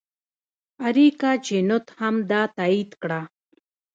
اریکا چینوت هم دا تایید کړه.